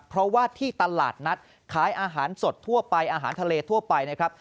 เพราะว่าที่ตลาดนัดขายอาหารสดทั่วไปอาหารทะเลทั่วไปนะครับ